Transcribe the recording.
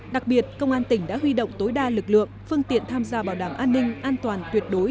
đặc biệt công an tỉnh đã huy động tối đa lực lượng phương tiện tham gia bảo đảm an ninh an toàn tuyệt đối